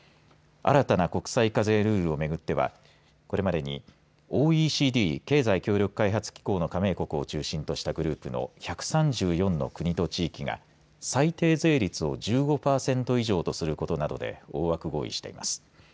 新たな国債課税ルールをめぐってはこれまでにＯＥＣＤ、経済協力開発機構の加盟国を中心としたグループの１３４の国と地域が最低税率を１５パーセント以上とすることなどで大枠、合意しています。